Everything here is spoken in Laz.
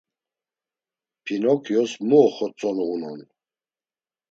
Pinokyos mu oxotzonu unon?